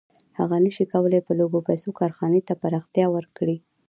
هغه نشي کولی په لږو پیسو کارخانې ته پراختیا ورکړي